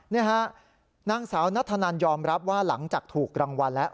นี่ฮะนางสาวนัทธนันยอมรับว่าหลังจากถูกรางวัลแล้ว